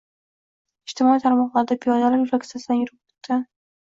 Ijtimoiy tarmoqlarda piyodalar yoʻlakchasidan yugurib oʻtgan.